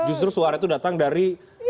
justru suara itu datang dari